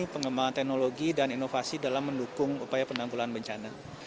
pengembangan teknologi dan inovasi dalam mendukung upaya penanggulan bencana